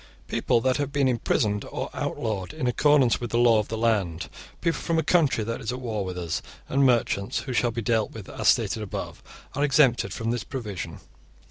People that have been imprisoned or outlawed in accordance with the law of the land, people from a country that is at war with us, and merchants who shall be dealt with as stated above are excepted from this provision.